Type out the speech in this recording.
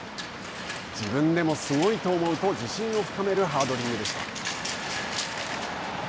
自分でもすごいと思うと自信を深めるハードリングでした。